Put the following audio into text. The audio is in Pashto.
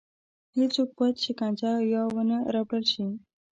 هېڅوک باید شکنجه یا ونه ربړول شي.